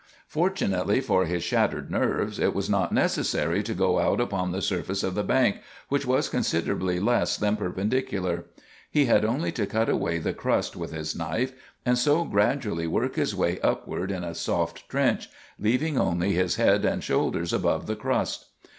Fortunately for his shattered nerves, it was not necessary to go out upon the surface of the bank, which was considerably less than perpendicular. He had only to cut away the crust with his knife, and so gradually work his way upward in a soft trench, leaving only his head and shoulders above the crust.